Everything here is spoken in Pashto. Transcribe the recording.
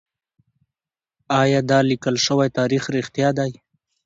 ايا دا ليکل شوی تاريخ رښتيا دی؟